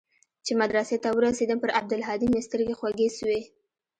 چې مدرسې ته ورسېدم پر عبدالهادي مې سترګې خوږې سوې.